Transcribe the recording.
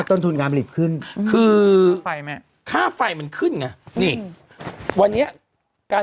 ต้นทุนการผลิตขึ้นคือไฟไหม้ค่าไฟมันขึ้นไงนี่วันนี้การ